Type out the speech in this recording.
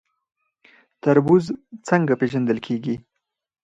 تربوز څنګه پیژندل کیږي؟